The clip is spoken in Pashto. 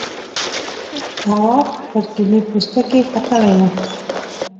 تواب پر کيلې پوستکي ختلی و.